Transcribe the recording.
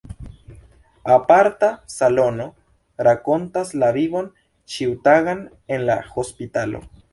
Aparta salono rakontas la vivon ĉiutagan en la hospitalo.